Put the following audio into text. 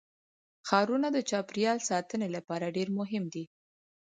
ښارونه د چاپیریال ساتنې لپاره ډېر مهم دي.